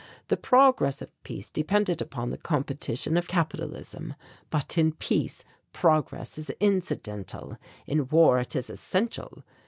The progress of peace depended upon the competition of capitalism, but in peace progress is incidental. In war it is essential.